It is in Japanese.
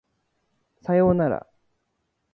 左様なら